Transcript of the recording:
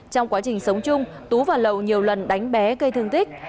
trong quá trình sống chung tú và lầu nhiều lần đánh bé gây thương tích